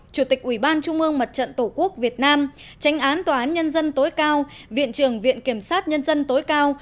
chủ tịch ủy ban trung ương mặt trận tổ quốc việt nam tránh án tòa án nhân dân tối cao viện trưởng viện kiểm sát nhân dân tối cao